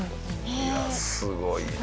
いやすごいな。